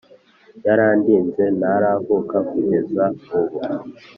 yarandinze ntaravuka kugeza ubu